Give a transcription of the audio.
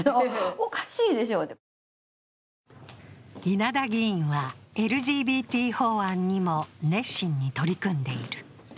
稲田議員はＬＧＢＴ法案にも熱心に取り組んでいる。